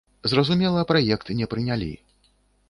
Зразумела, праект не прынялі.